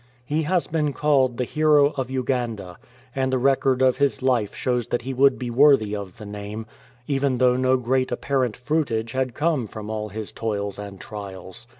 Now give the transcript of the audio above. He has been called " The Hero of Uganda," and the record of his life shows that he would be worthy of the name, even though no great apparent fruitage had come from all his toils and trials.